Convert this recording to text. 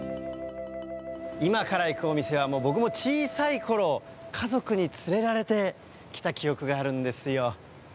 今から行くお店は僕も小さいころ、家族に連れられて来た記憶があるんですよ。